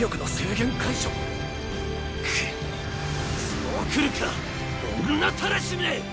そうくるか女たらしめ！